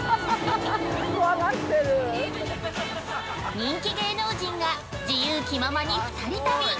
◆人気芸能人が自由気ままに２人旅。